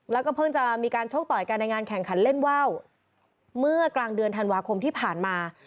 แล้วก็เพิ่งจะมีการโชคต่อยกันในงานแข่งขันเล่นว่าวเมื่อกลางเดือนธันวาคมที่ผ่านมา